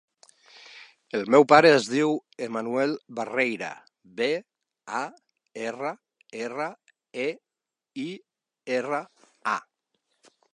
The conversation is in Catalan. El meu pare es diu Emanuel Barreira: be, a, erra, erra, e, i, erra, a.